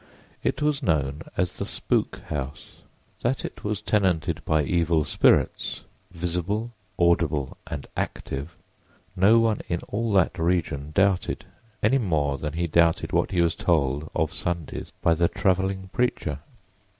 It was known as the "Spook House." That it was tenanted by evil spirits, visible, audible and active, no one in all that region doubted any more than he doubted what he was told of Sundays by the traveling preacher.